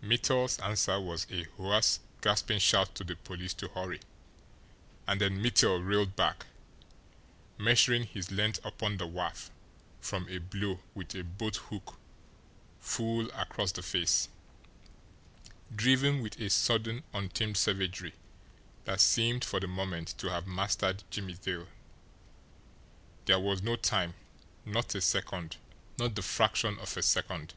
Mittel's answer was a hoarse, gasping shout to the police to hurry and then Mittel reeled back, measuring his length upon the wharf from a blow with a boat hook full across the face, driven with a sudden, untamed savagery that seemed for the moment to have mastered Jimmie Dale. There was no time not a second not the fraction of a second.